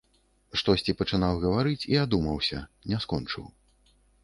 Штосьці пачынаў гаварыць і адумаўся, не скончыў.